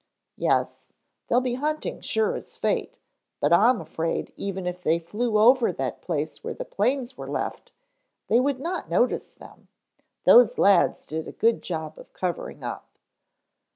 "Yes, they'll be hunting sure as fate but I'm afraid even if they flew over that place where the planes were left, they would not notice them. Those lads did a good job of covering up."